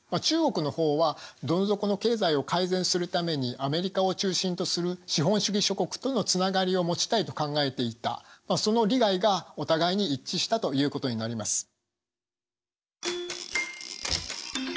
中国の方はどん底の経済を改善するためにアメリカを中心とする資本主義諸国とのつながりを持ちたいと考えていたその利害がお互いに一致したということになります。